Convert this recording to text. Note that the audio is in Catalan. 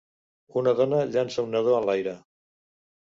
Una dona llança un nadó enlaire.